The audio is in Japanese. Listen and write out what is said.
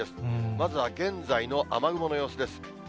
まずは現在の雨雲の様子です。